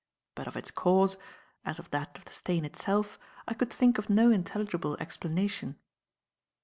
But of its cause, as of that of the stain itself, I could think of no intelligible explanation.